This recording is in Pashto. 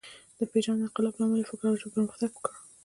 د پېژاند انقلاب له امله فکر او ژبې پرمختګ وکړ.